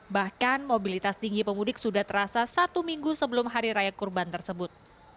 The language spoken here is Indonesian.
bahkan mobilitas tinggi pemudik sudah terasa satu minggu sebelum hari raya kurban tersebut